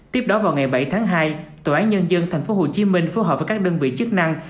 tiếp đó vào ngày bảy tháng hai tòa án nhân dân tp hcm phối hợp với các đơn vị chức năng